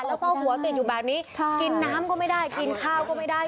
แล้วก็หัวติดอยู่แบบนี้กินน้ำก็ไม่ได้กินข้าวก็ไม่ได้